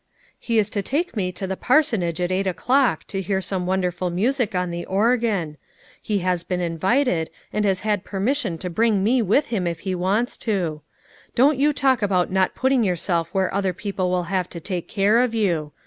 " He is to take me to the parsonage at eight o'clock to hear some wonderful music on the organ. He has been invited, and has had per mission to bring me with him if he wants to. Don't you talk about not putting yourself where other people will have to take care of you